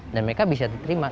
dan mereka bisa diterima